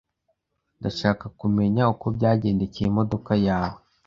Ndashaka kumenya uko byagendekeye imodoka yawe.